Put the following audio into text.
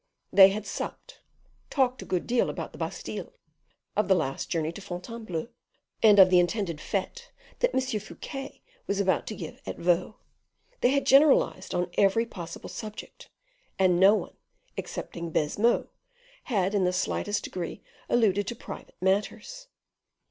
They had supped, talked a good deal about the Bastile, of the last journey to Fontainebleau, of the intended fete that M. Fouquet was about to give at Vaux; they had generalized on every possible subject; and no one, excepting Baisemeaux, had in the slightest degree alluded to private matters.